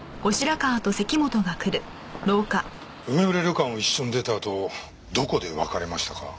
梅むら旅館を一緒に出たあとどこで別れましたか？